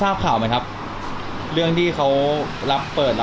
แล้วเขาแบบก็ยังไม่เคยเจอกันเลยนะ